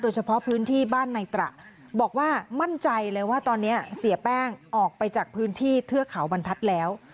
เฉพาะพื้นที่บ้านในตระบอกว่ามั่นใจเลยว่าตอนนี้เสียแป้งออกไปจากพื้นที่เทือกเขาบรรทัศน์แล้ว